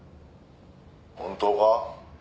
「本当か？」